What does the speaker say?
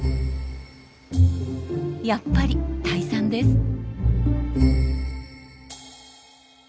やっぱり退散です。